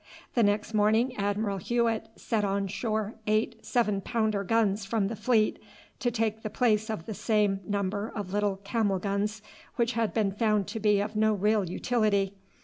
The next morning Admiral Hewett sent on shore eight seven pounder guns from the fleet, to take the place of the same number of little camel guns, which had been found to be of no real utility.